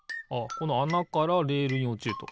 このあなからレールにおちると。